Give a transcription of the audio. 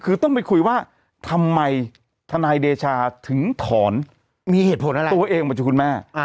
คือต้องไปคุยว่าทำไมธนายเดชาถึงถอนตัวเองมาจากคุณแม่